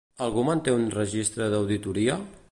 Algú manté un registre d'auditoria?